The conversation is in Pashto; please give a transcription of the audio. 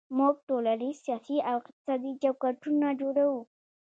موږ ټولنیز، سیاسي او اقتصادي چوکاټونه جوړوو.